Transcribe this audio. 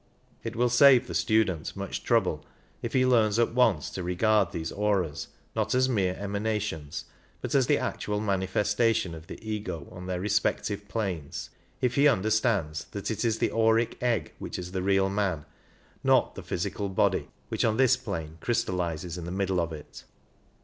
It will save the student much trouble if he learns at once to regard these auras not as mere emanations, but as the actual manifestation of the Ego on their respec tive planes — if he understands that it is the auric egg which is the real man, not the physical body which on this plane crystallizes in the middle of it.